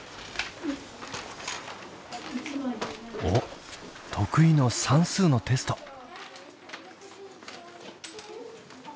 おっ得意の算数のテスト。